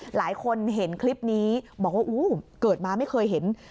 หลายคนเห็นคลิปนี้บอกว่าอู้เกิดมาไม่เคยเห็น